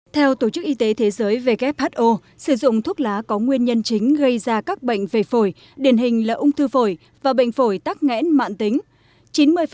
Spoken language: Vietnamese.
theo tổ chức y tế thế giới who sử dụng thuốc lá có nguyên nhân chính gây ra các bệnh về phổi điển hình là ung thư phổi và bệnh phổi tắc nghẽn mạng tính